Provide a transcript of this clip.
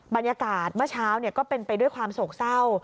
บรรยากาศเมื่อเช้าก็เป็นไปด้วยความโศกเศร้า